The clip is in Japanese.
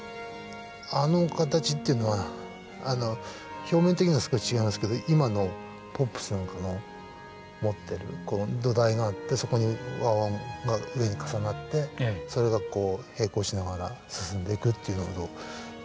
あの形っていうのは表面的には少し違いますけど今のポップスなんかの持ってる土台があってそこに和音が上に重なってそれがこう並行しながら進んでいくっていうのと似てるんですよね。